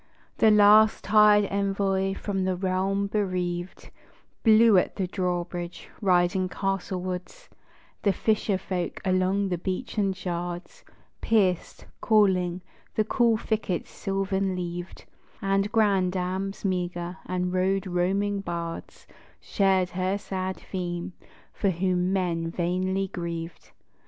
The last tired envoy from the realm bereaved Blew at the drawbridge, riding castlewards; The fisher folk along the beachen shards Pierced, calling, the cool thickets silvern leaved; And grandams meagre, and road roaming bards Shared her sad theme, for whom men vainly grieved.